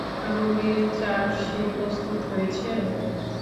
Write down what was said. রবির চার্জশীট প্রস্তুত হয়েছে?